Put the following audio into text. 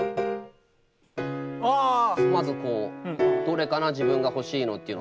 まずこうどれかな自分が欲しいのっていうのを探して。